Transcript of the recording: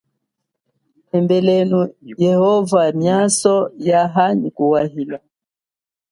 Embilenu Yehova miaso yaha nyi kuwaila.